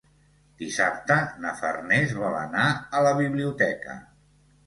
Dissabte na Farners vol anar a la biblioteca.